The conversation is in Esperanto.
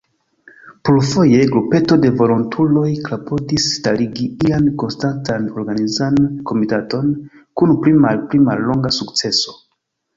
Plurfoje, grupeto de volontuloj klopodis starigi ian konstantan organizan komitaton, kun pli-malpi mallonga sukceso.